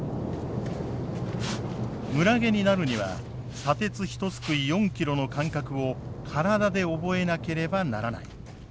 村下になるには砂鉄ひとすくい４キロの感覚を体で覚えなければならない。